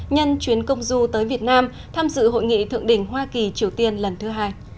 nhân chuyến công du tới việt nam tham dự hội nghị thượng đỉnh hoa kỳ triều tiên lần thứ hai